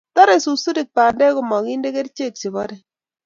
Tare susurik bandek komende kerichek che barei